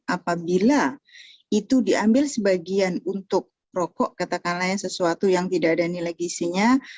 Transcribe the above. apabila itu diambil sebagian untuk rokok katakanlah sesuatu yang tidak ada nilai gisinya